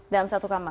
dalam satu kamar